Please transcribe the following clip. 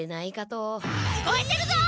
聞こえてるぞ！